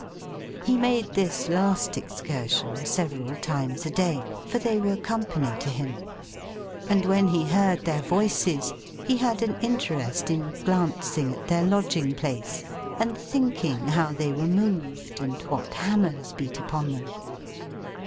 He made this last excursion several times a day, for they were company to him; and when he heard their voices, he had an interest in glancing at their lodging place, and thinking how they were moved, and what hammers beat upon them.